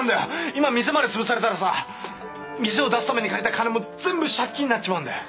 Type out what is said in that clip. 今店まで潰されたらさ店を出すために借りた金も全部借金になっちまうんだよ。